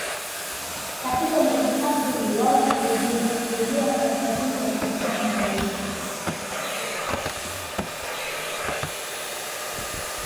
Katika mwezi Aprili wao hurejea kaskazini kwa kupitia magharibi